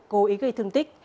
cố ý gây thương tích